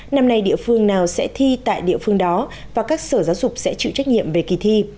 năm nay địa phương nào sẽ thi tại địa phương đó và các sở giáo dục sẽ chịu trách nhiệm về kỳ thi